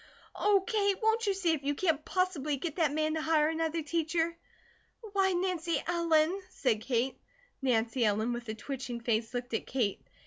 Oh, Kate, won't you see if you can't possibly get that man to hire another teacher?" "Why, Nancy Ellen " said Kate. Nancy Ellen, with a twitching face, looked at Kate.